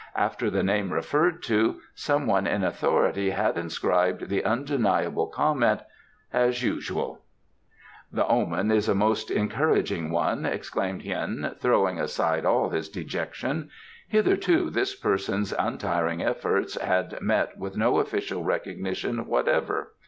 "After the name referred to, someone in authority had inscribed the undeniable comment 'As usual.'" "The omen is a most encouraging one," exclaimed Hien, throwing aside all his dejection. "Hitherto this person's untiring efforts had met with no official recognition whatever.